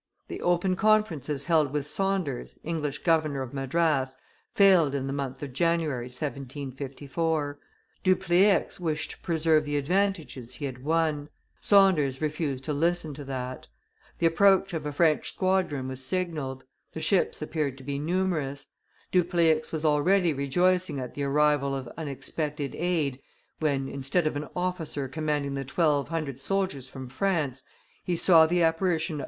The open conferences held with Saunders, English Governor of Madras, failed in the month of January, 1754; Dupleix wished to preserve the advantages he had won; Saunders refused to listen to that. The approach of a French squadron was signalled; the ships appeared to be numerous. Dupleix was already rejoicing at the arrival of unexpected aid, when, instead of an officer commanding the twelve hundred soldiers from France, he saw the apparition of M.